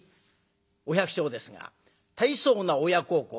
お百姓ですが大層な親孝行。